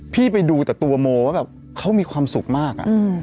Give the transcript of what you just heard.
ไปดูแต่ตัวโมว่าแบบเขามีความสุขมาก